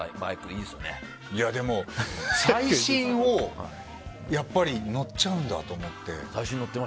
でも、最新を乗っちゃうんだと思って。